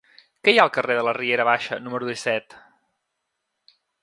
Què hi ha al carrer de la Riera Baixa número disset?